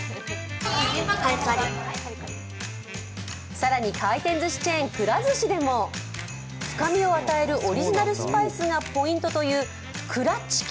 更に回転ずしチェーン、くら寿司でも、深みを与えるオリジナルスパイスがポイントというくらチキ